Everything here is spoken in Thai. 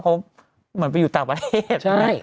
เหมือนไปอยู่ต่างประเทศ